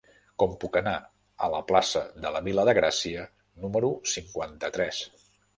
Com puc anar a la plaça de la Vila de Gràcia número cinquanta-tres?